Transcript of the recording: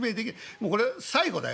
もうこれ最後だよ？